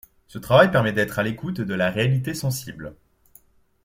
Ce travail permet d'être à l'écoute de la réalité sensible.